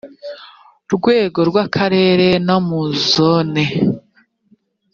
rwego rw akarere no mu zone